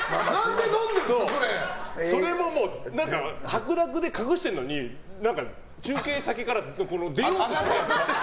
それも、白濁で隠してるのに中継先から出ようとして。